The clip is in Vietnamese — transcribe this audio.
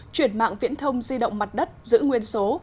chuyển mạng viễn thông di động mặt đất giữ nguyên số